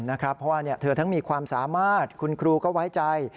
เพราะว่าเธอทั้งมีความสามารถคุณครูก็ไว้ใจ